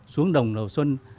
xuống đồng đầu xuân